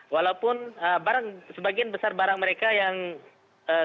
walaupun sebagian besar barang mereka yang terpen